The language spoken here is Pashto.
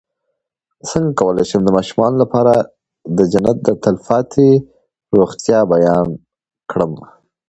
څنګه کولی شم د ماشومانو لپاره د جنت د تل پاتې روغتیا بیان کړم